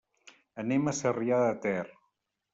Anem a Sarrià de Ter.